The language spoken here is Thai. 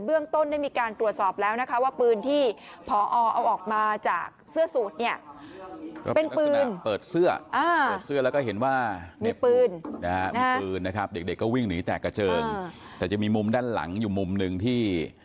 เบื้องต้นได้มีการตรวจสอบแล้วนะครับว่าปืนที่